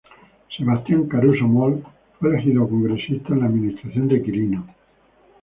Sebastian Caruso Moll fue elegido Congresista en la administración de Quirino.